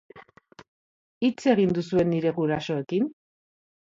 Hitz egin duzue nire gurasoekin?